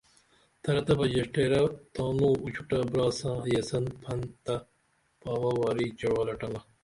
ترہ تہ بہ ژیڜٹیرہ تانو اُوچھوٹہ برا ساں یسن پھنتہ پاوہ واری چعوہ لٹنگا